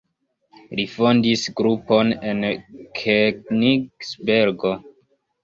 Li fondis grupon en Kenigsbergo.